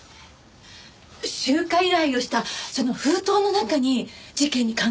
集荷依頼をしたその封筒の中に事件に関係があるものが？